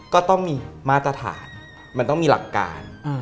ก็ต้องมีมาตรฐานมันต้องมีหลักการ